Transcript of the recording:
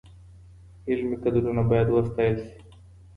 علمي کدرونه باید وستایل سي.